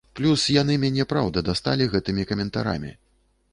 Плюс яны мяне праўда дасталі гэтымі каментарамі.